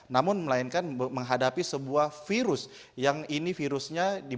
namun melainkan menghadapi sebuah virus yang ini virusnya